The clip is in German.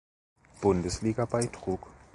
Bundesliga beitrug.